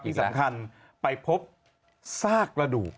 ที่สำคัญไปพบซากระดูก